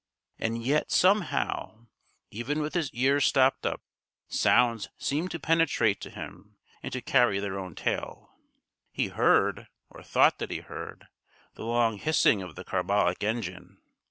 And yet somehow, even with his ears stopped up, sounds seemed to penetrate to him and to carry their own tale. He heard, or thought that he heard, the long hissing of the carbolic engine.